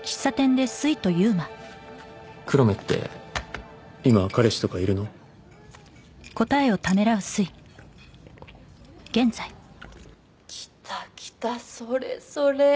黒目って今彼氏とかいるの「きたきたそれそれ」